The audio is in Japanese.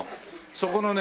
そこのね